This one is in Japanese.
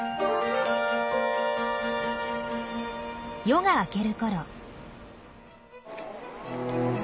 夜が明けるころ。